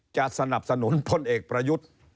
จะสนับสนุนพลเอกประยุทธ์